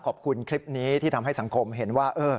ขอบคุณคลิปนี้ที่ทำให้สังคมเห็นว่า